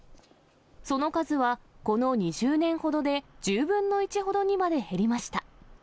その数はこの２０年ほどで１０分の１ほどにまで減りました。